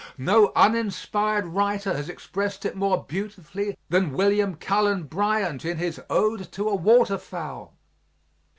No uninspired writer has exprest it more beautifully than William Cullen Bryant in his Ode to a Waterfowl.